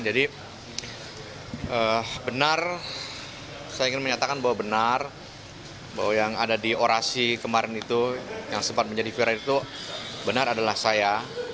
jadi benar saya ingin menyatakan bahwa benar bahwa yang ada di orasi kemarin itu yang sempat menjadi firar itu benar adalah saya